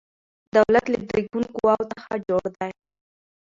دولت له درې ګونو قواو څخه جوړ دی